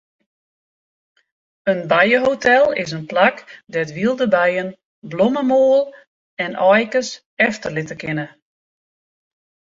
In bijehotel is in plak dêr't wylde bijen blommemoal en aaikes efterlitte kinne.